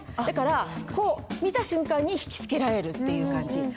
だからこう見た瞬間に引きつけられるっていう感じ。